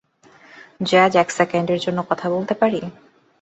Jazz, এক সেকেন্ডের জন্য কথা বলতে পারি?